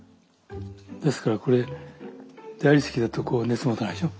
ですからこれ大理石だとこう熱持たないでしょ。